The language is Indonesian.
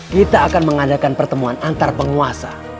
kita akan mengadakan pertemuan antar penguasa